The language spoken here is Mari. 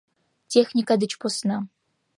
Техника деч посна.